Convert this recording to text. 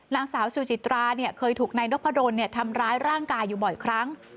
นางสาวสุจิตราเนี่ยเคยถูกนายนพดลทำร้ายร่างกายอยู่บ่อยครั้ง